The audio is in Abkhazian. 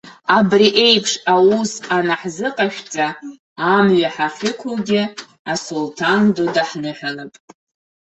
Абри еиԥш аус анаҳзыҟашәҵа, амҩа ҳахьықәугьы, асулҭан ду даҳныҳәалап!